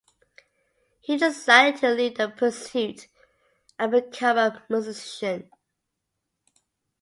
He decided to leave that pursuit and become a musician.